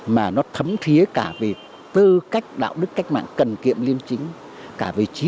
mà nó thấm thiế cả về tư cách đạo đức cách mạng cần kiệm liên chính